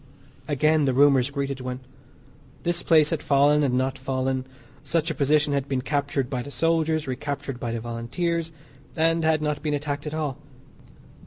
Again, the rumours greeted one. This place had fallen and had not fallen. Such a position had been captured by the soldiers; recaptured by the Volunteers, and had not been attacked at all.